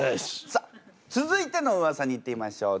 さあ続いてのウワサにいってみましょう。